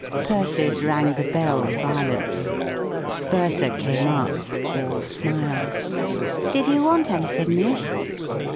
Persis rang the bell violently. Bertha came up, all smiles :" Did you want anything, miss